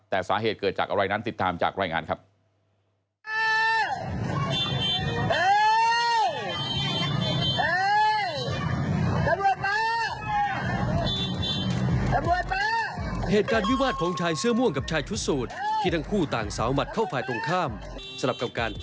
แต่สาเหตุเกิดจากอะไรนั้นติดตามจากรายงานครับ